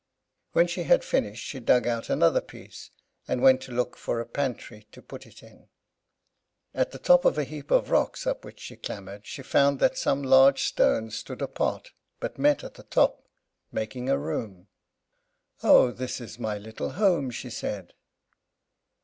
When she had finished she dug out another piece, and went to look for a pantry to put it in. At the top of a heap of rocks up which she clambered she found that some large stones stood apart but met at the top, making a room. "Oh, this is my little home!" she said.